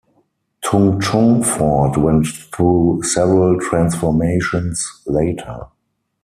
Tung Chung Fort went through several transformations later.